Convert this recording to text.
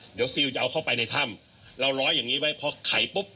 เดี๋ยวซิลจะเอาเข้าไปในถ้ำเราร้อยอย่างนี้ไว้พอไขปุ๊บ